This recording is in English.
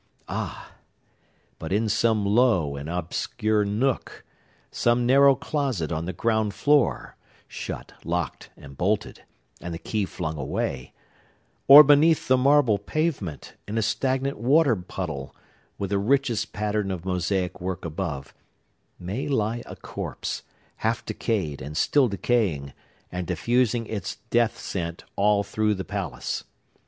Ah! but in some low and obscure nook,—some narrow closet on the ground floor, shut, locked and bolted, and the key flung away,—or beneath the marble pavement, in a stagnant water puddle, with the richest pattern of mosaic work above,—may lie a corpse, half decayed, and still decaying, and diffusing its death scent all through the palace!